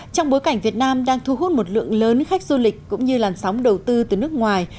trong bối cảnh việt nam đang thu hút một lượng lớn khách du lịch cũng như làn sóng đầu tư từ nước ngoài